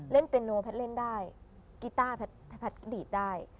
เล่นเป็นนัวแพทย์เล่นได้กีต้าแพทย์ดีดได้